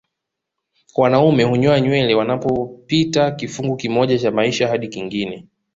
Wanaume hunyoa nywele wanapopita kifungu kimoja cha maisha hadi kingine